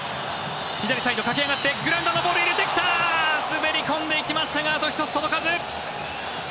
左サイド駆け上がってグラウンダーのボールを入れてきた滑り込んでいきましたがあと一つ届かず。